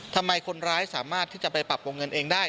คนร้ายสามารถที่จะไปปรับวงเงินเองได้